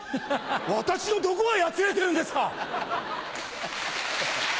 私のどこがやつれてるんですか？